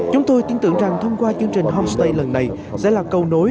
chúng tôi tin tưởng rằng thông qua chương trình homestay lần này sẽ là cầu nối